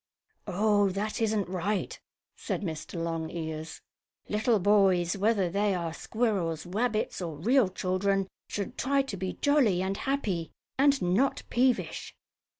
"Oh, that isn't right," said Mr. Longears. "Little boys, whether they are squirrels, rabbits or real children, should try to be jolly and happy, and not peevish."